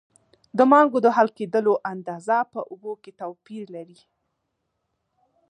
د مالګو د حل کیدلو اندازه په اوبو کې توپیر لري.